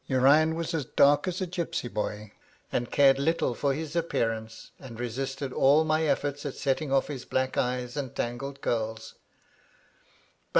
Urian was as dark as a gypsy boy, and cared little for his appearance, and resisted all my efforts at setting off his black eyes and tangled curls; but VOL.